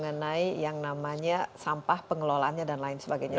nah tadi kita sudah bicara tentang yang namanya sampah pengelolaannya dan lain sebagainya